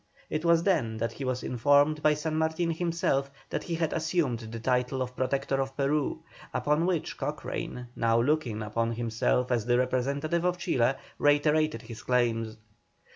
It was then that he was informed by San Martin himself that he had assumed the title of Protector of Peru, upon which Cochrane, now looking upon himself as the representative of Chile, reiterated his claims.